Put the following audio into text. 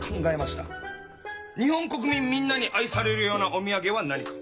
日本国民みんなに愛されるようなおみやげは何か？